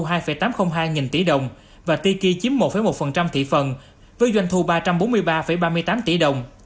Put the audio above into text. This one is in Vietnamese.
ti tám trăm linh hai nghìn tỷ đồng và tiki chiếm một một thị phần với doanh thu ba trăm bốn mươi ba ba mươi tám tỷ đồng